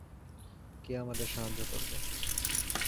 কে আমাদের সাহায্য করবে?